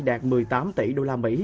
đạt một mươi tám tỷ usd